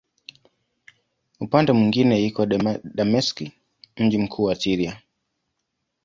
Upande mwingine iko Dameski, mji mkuu wa Syria.